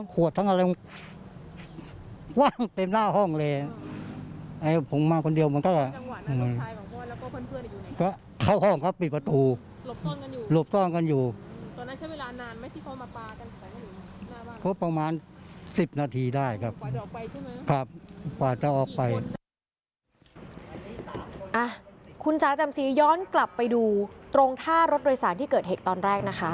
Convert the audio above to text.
ครับจะออกไปครับพ่อจะออกไปอ่ะคุณชาญจำสีย้อนกลับไปดูตรงท่ารถโดยศาลที่เกิดเหตุตอนแรกนะคะ